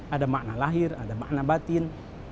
ada makna lahir ada makna batin